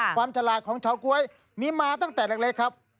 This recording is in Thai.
ฉลาดของชาวก๊วยมีมาตั้งแต่เล็กครับ